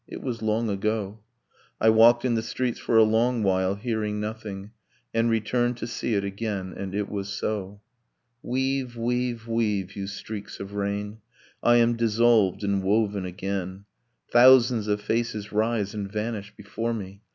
It was long ago. I walked in the streets for a long while, hearing nothing, And returned to see it again. And it was so.' Weave, weave, weave, you streaks of rain! I am dissolved and woven again ... Thousands of faces rise and vanish before me.